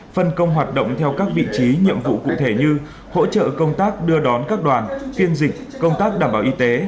phân công hoạt động theo các vị trí nhiệm vụ cụ thể như hỗ trợ công tác đưa đón các đoàn phiên dịch công tác đảm bảo y tế